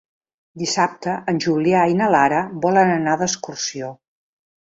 Dissabte en Julià i na Lara volen anar d'excursió.